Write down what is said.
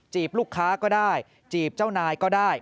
ลูกค้าก็ได้จีบเจ้านายก็ได้